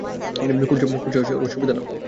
কোন সাহসে ওর সুবিধা নাও!